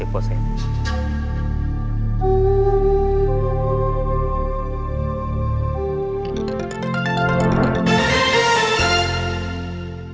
คุณบรีซคุณบรีซค